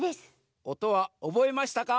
おとはおぼえましたか？